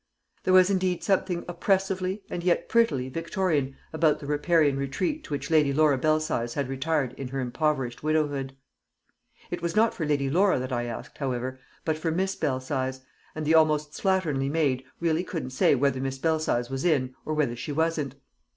There was indeed something oppressively and yet prettily Victorian about the riparian retreat to which Lady Laura Belsize had retired in her impoverished widowhood. It was not for Lady Laura that I asked, however, but for Miss Belsize, and the almost slatternly maid really couldn't say whether Miss Belsize was in or whether she wasn't.